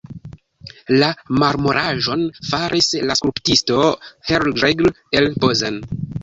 La marmoraĵon faris la skulptisto Hellriegl el Bozen.